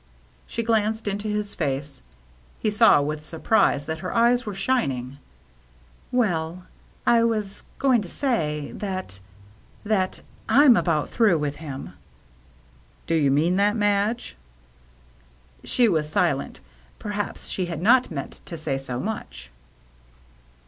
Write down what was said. She glanced into his face. He saw with sur prise that her eyes were shining. " Well — I was — going to say — that — that — I'm about through with him." " Do you mean that, Madge ?" She was silent ; perhaps she had not meant to say so much.